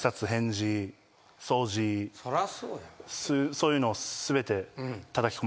そういうのを全て。